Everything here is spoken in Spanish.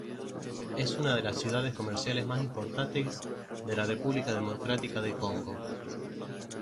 Es una de las ciudades comerciales más importantes de la República Democrática de Congo.